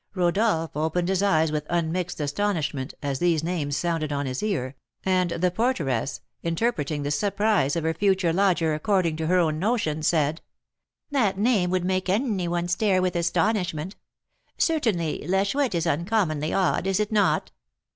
Rodolph opened his eyes with unmixed astonishment as these names sounded on his ear, and the porteress, interpreting the surprise of her future lodger according to her own notions, said: "That name would make any one stare with astonishment. Certainly La Chouette is uncommonly odd; is it not?"